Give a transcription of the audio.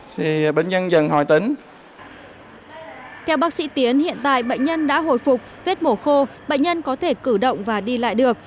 theo bác sĩ tiến hiện tại bệnh nhân đã hồi phục vết mổ khô bệnh nhân có thể cử động và đi lại được